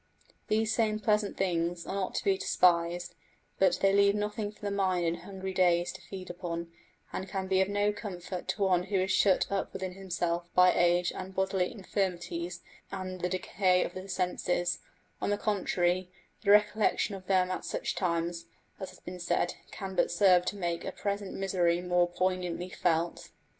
These same pleasant things are not to be despised, but they leave nothing for the mind in hungry days to feed upon, and can be of no comfort to one who is shut up within himself by age and bodily infirmities and the decay of the senses; on the contrary, the recollection of them at such times, as has been said, can but serve to make a present misery more poignantly felt.